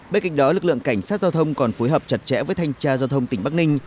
bên cạnh đó lực lượng cảnh sát giao thông còn phối hợp chặt chẽ với thanh tra giao thông tỉnh bắc ninh